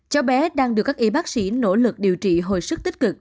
cháu bé đang được các y bác sĩ nỗ lực điều trị hồi sức tích cực